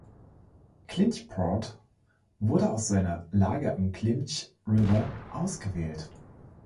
Clinchport wurde aus seiner Lage am Clinch River ausgewählt.